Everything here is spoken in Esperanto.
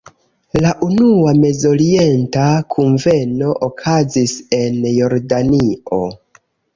La unua Mezorienta kunveno okazis en Jordanio.